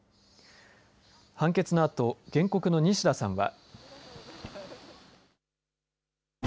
判決のあと、原告の西田さんは。